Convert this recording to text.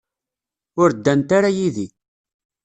Ur ddant ara yid-i.